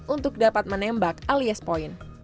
untuk dapat menembak alias poin